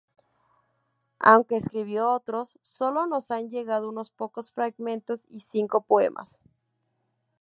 Aunque escribió otros, solo nos han llegado unos pocos fragmentos y cinco poemas.